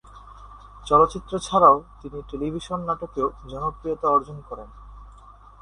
চলচ্চিত্র ছাড়াও তিনি টেলিভিশন নাটকেও জনপ্রিয়তা অর্জন করেন।